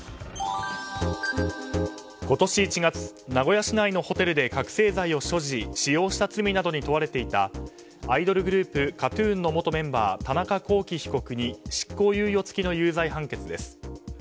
今年１月名古屋市内のホテルで覚醒剤を所持、使用した罪などに問われていたアイドルグループＫＡＴ‐ＴＵＮの元メンバー田中聖被告に執行猶予付きの有罪判決です。